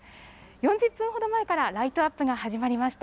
４０分ほど前からライトアップが始まりました。